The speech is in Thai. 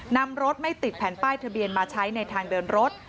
นำรถไม่ติดแผ่นป้ายทะเบียนมาใช้ในทางเดินรถ